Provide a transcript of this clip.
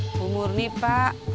ibu murni pak